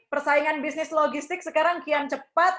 persaingan bisnis logistik sekarang kian cepat